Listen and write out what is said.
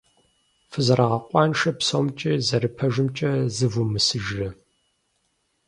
Фызэрагъэкъуаншэ псомкӏи зэрыпэжымкӏэ зывумысыжрэ?